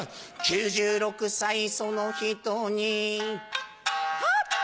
９６歳その人にハッ！